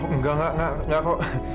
enggak enggak enggak kok